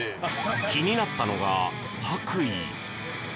気になったのが、白衣。